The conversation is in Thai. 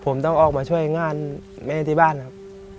ผมต้องออกมาช่วยงานแม่ที่บ้านครับ